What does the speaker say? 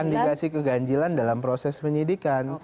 indikasi keganjilan dalam proses penyidikan